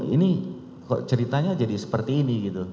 ini ceritanya jadi seperti ini